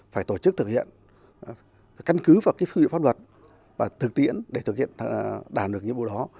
phải tổ chức thực hiện căn cứ vào phương hiệu pháp luật và thực tiễn để thực hiện đảm được nhiệm vụ đó